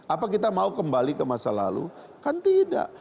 apa kita mau kembali ke masa lalu kan tidak